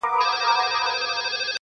o څښل مو تويول مو شرابونه د جلال.